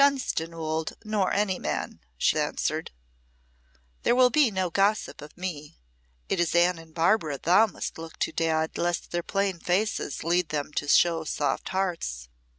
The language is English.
"Dunstanwolde nor any man!" she answered. "There will be no gossip of me. It is Anne and Barbara thou must look to, Dad, lest their plain faces lead them to show soft hearts.